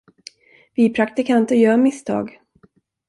Vi praktikanter gör misstag.